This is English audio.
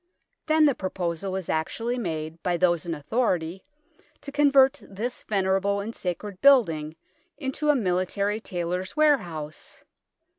Then the proposal was actually made by those in authority to convert this venerable and sacred building into a military tailors' ware house